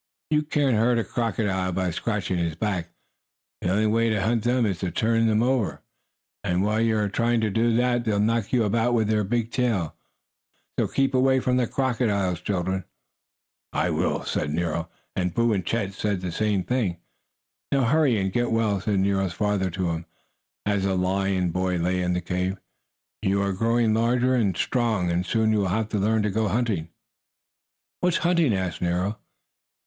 You can't hurt a crocodile by scratching his back. The only way to hurt them is to turn them over, and while you are trying to do that they'll knock you about with the big tail. So keep away from the crocodiles, children." "I will," said Nero, and Boo and Chet said the same thing. "Now hurry and get well," said Nero's father to him, as the lion boy lay in the cave. "You are growing large and strong, and soon you will have to learn to go hunting." "What's hunting?" asked Nero.